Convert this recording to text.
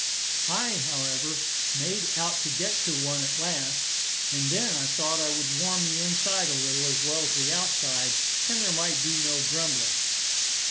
I, however, made out to get to one at last, and then I thought I would warm the inside a little, as well as the outside, that there might be no grumbling.